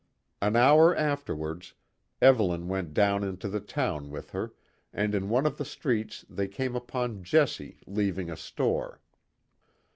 An hour afterwards, Evelyn went down into the town with her, and in one of the streets they came upon Jessie leaving a store.